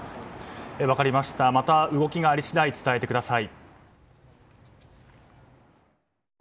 分かりました、また動きがあり次第、伝えてください。